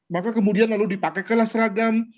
maka kemudian lalu dipakaikanlah seragam